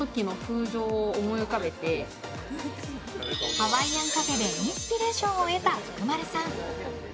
ハワイアンカフェでインスピレーションを得た福丸さん。